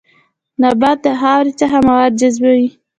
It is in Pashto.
نبات د خاورې څخه مواد جذبوي